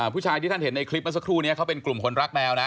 ผู้ชายที่ท่านเห็นในคลิปเมื่อสักครู่นี้เขาเป็นกลุ่มคนรักแมวนะ